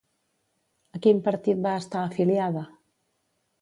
A quin partit va estar afiliada?